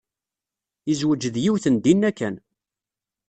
Yezweǧ d yiwet n dinna kan.